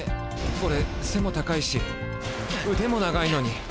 オレ背も高いし腕も長いのに。